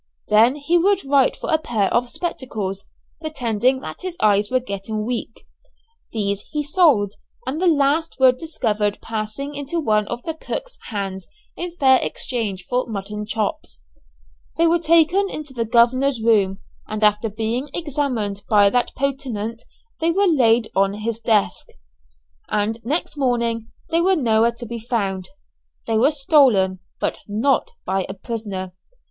Then he would write for a pair of spectacles, pretending that his eyes were getting weak. These he sold, and the last were discovered passing into one of the cooks' hands in fair exchange for mutton chops. They were taken into the governor's room, and after being examined by that potentate they were laid on his desk, and next morning they were nowhere to be found; they were stolen, but not by a prisoner.